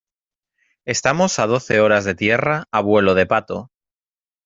estamos a doce horas de tierra a vuelo de pato.